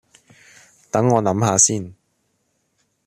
等我諗吓先